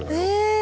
え！